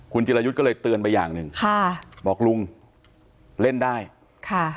คุณจิรายุทธ์ก็เลยเตือนไปอย่างหนึ่งค่ะบอกลุงเล่นได้ค่ะ